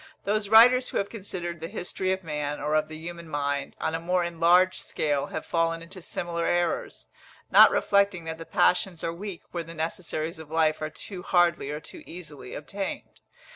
Those writers who have considered the history of man, or of the human mind, on a more enlarged scale have fallen into similar errors, not reflecting that the passions are weak where the necessaries of life are too hardly or too easily obtained.